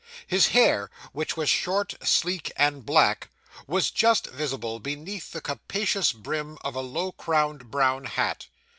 His hair, which was short, sleek, and black, was just visible beneath the capacious brim of a low crowned brown hat.